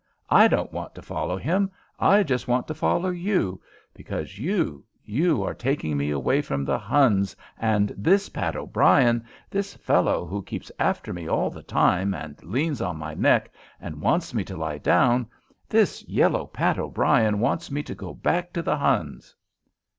I don't want to follow him I just want to follow you because you you are taking me away from the Huns and this Pat O'Brien this fellow who keeps after me all the time and leans on my neck and wants me to lie down this yellow Pat O'Brien wants me to go back to the Huns!"